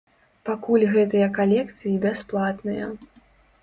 Пакуль гэтыя калекцыі бясплатныя.